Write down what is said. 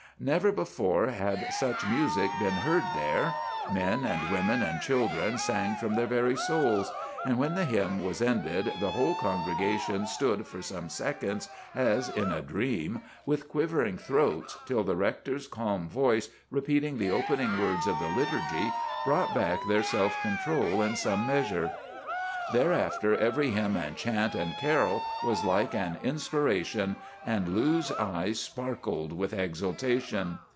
"Never before had such music been heard there. Men, women, and children sang from their very souls; and when the hymn was ended the whole congregation stood for some seconds as in a dream, with quivering throats, till the rector's calm voice, repeating the opening words of the liturgy, brought back their self control in some measure. "Thereafter every hymn and chant and carol was like an inspiration, and Lou's eyes sparkled with exultation.